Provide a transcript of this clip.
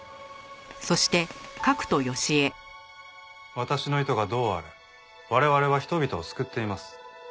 私の意図がどうあれ我々は人々を救っています。